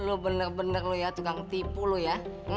lo bener bener lo ya tukang tipu lo ya